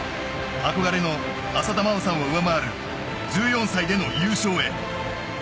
憧れの浅田真央さんを上回る１４歳での優勝へ。